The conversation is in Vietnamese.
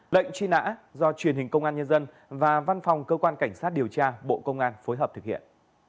lệnh truy nã do truyền hình công an nhân dân và văn phòng cơ quan cảnh sát điều tra bộ công an phối hợp thực hiện